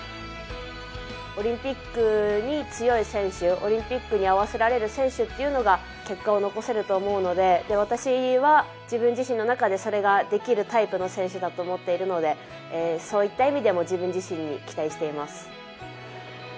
オリンピックに強い選手オリンピックに合わせられる選手っていうのが結果を残せると思うので、私は自分自身の中でそれができるタイプの選手だと思っているのでそういった意味でも自分自身に期待しています。